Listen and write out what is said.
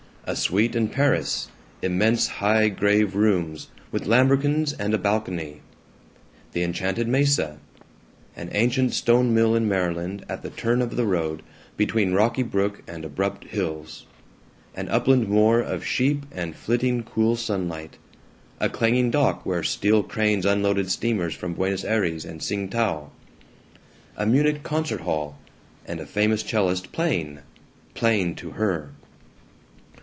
A suite in Paris, immense high grave rooms, with lambrequins and a balcony. The Enchanted Mesa. An ancient stone mill in Maryland, at the turn of the road, between rocky brook and abrupt hills. An upland moor of sheep and flitting cool sunlight. A clanging dock where steel cranes unloaded steamers from Buenos Ayres and Tsing tao. A Munich concert hall, and a famous 'cellist playing playing to her.